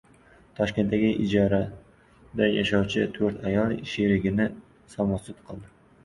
Toshkentda ijarada yashovchi to‘rt ayol sherigini «samosud» qildi